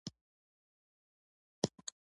د مورې د غرۀ پۀ لمن کښې